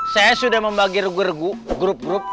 saya sudah membagi regu regu grup grup